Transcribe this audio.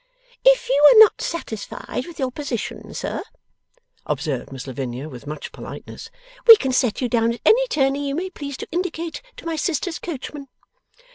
'If you are not satisfied with your position, sir,' observed Miss Lavinia, with much politeness, 'we can set you down at any turning you may please to indicate to my sister's coachman.